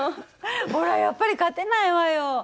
ほらやっぱり勝てないわよ。